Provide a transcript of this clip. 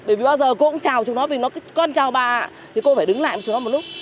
bởi vì bao giờ cô cũng chào chúng nó vì nó còn chào bà thì cô phải đứng lại một chú nó một lúc